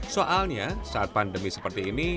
soalnya saat pandemi seperti ini